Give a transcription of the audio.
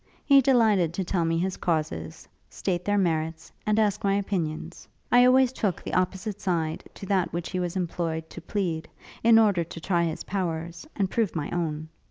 He delighted to tell me his causes, state their merits, and ask my opinions. I always took the opposite side to that which he was employed to plead, in order to try his powers, and prove my own.